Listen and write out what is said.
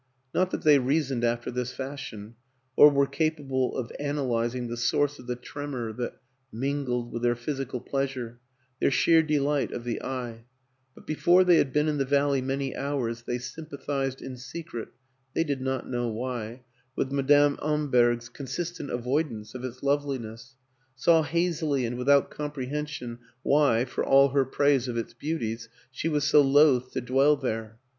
... Not that they rea soned after this fashion, or were capable of an alyzing the source of the tremor that mingled with their physical pleasure, their sheer delight of the eye; but before they had been in the valley many hours they sympathized in secret (they did not know why) with Madame Amberg's consis tent avoidance of its loveliness, saw hazily and without comprehension why, for all her praise of its beauties, she was so loth to dwell there.